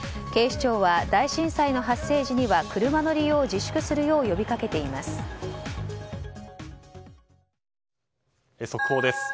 警視庁は大震災の発生時には車の利用を自粛するよう速報です。